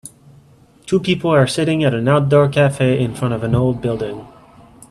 Two people are sitting at an outdoor cafe in front of an old building.